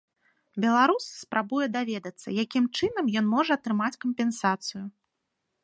Беларус спрабуе даведацца, якім чынам ён можа атрымаць кампенсацыю.